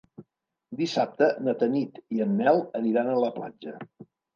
Dissabte na Tanit i en Nel aniran a la platja.